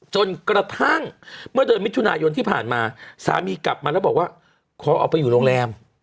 จนกระทั่งเมื่อเดือนมิถุนายนที่ผ่านมาสามีกลับมาแล้วบอกว่าขอออกไปอยู่โรงแรม